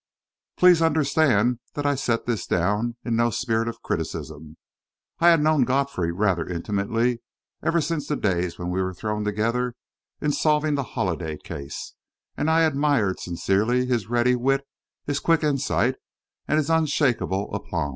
Please understand that I set this down in no spirit of criticism. I had known Godfrey rather intimately ever since the days when we were thrown together in solving the Holladay case, and I admired sincerely his ready wit, his quick insight, and his unshakable aplomb.